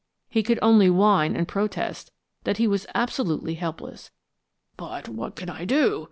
He could only whine and protest that he was absolutely helpless. "But what can I do?"